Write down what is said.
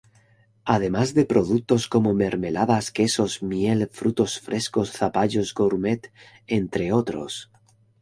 Además de productos como mermeladas, quesos, miel, frutos frescos, zapallos gourmet, entre otros.